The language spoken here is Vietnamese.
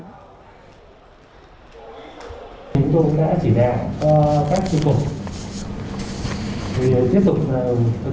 chúng tôi đã chỉ đặt các trụ tục